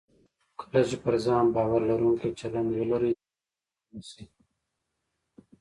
کله چې پر ځان باور لرونکی چلند ولرئ، د شخړې مخه نیسئ.